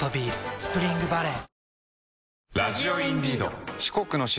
スプリングバレー